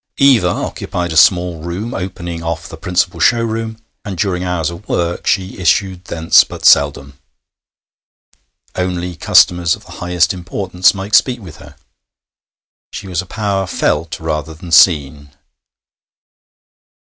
Eva occupied a small room opening off the principal showroom, and during hours of work she issued thence but seldom. Only customers of the highest importance might speak with her. She was a power felt rather than seen.